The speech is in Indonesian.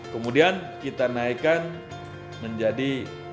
kemudian kita naikkan menjadi